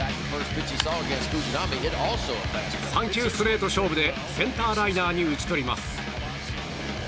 ３球ストレート勝負でセンターライナーに打ち取ります。